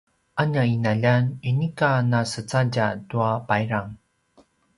a nia ’inaljan inika nasecadja tua payrang